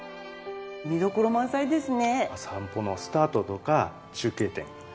見どころ満載ですね。